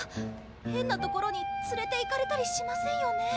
変なところに連れていかれたりしませんよね？